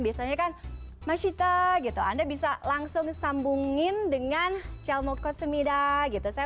biasanya kan mas ita gitu anda bisa langsung sambungin dengan cel motions semia da gitu saya